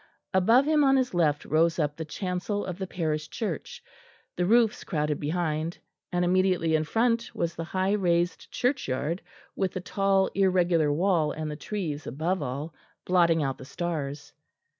Above him on his left rose up the chancel of the parish church, the roofs crowded behind; and immediately in front was the high raised churchyard, with the tall irregular wall and the trees above all, blotting out the stars.